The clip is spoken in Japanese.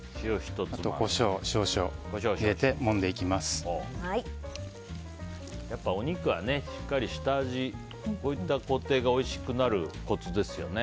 あとコショウ少々を入れてやっぱりお肉はしっかり下味こういった工程がおいしくなるコツですよね。